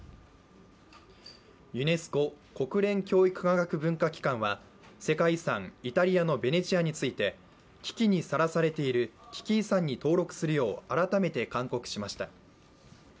ユネスコ＝国連教育科学文化機関は世界遺産イタリアのベネチアについて危機にさらされている危機遺産に登録するよう改めて勧告しました。